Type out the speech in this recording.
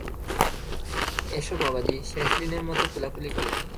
S বাবাজি, শেষ দিনের মতো কোলাকুলি করে নিই।